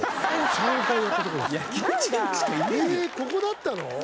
ここだったの？